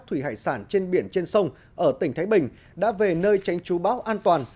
thủy hải sản trên biển trên sông ở tỉnh thái bình đã về nơi tránh trú bão an toàn